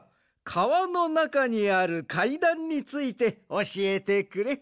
かわのなかにあるかいだんについておしえてくれ。